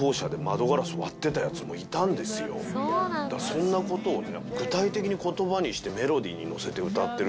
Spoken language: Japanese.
そんなことをね。